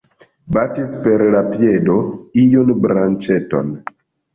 Batis per la piedo iun branĉeton.